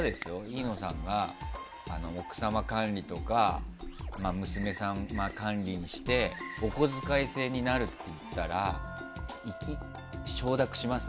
飯野さんが奥様管理とか娘さん管理にしてお小遣い制になるっていったら承諾します？